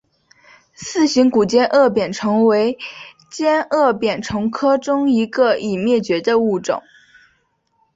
似形古尖腭扁虫为尖腭扁虫科中一个已灭绝的物种。